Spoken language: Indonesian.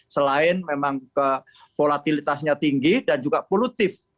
selain memang volatilitasnya tinggi dan juga polutif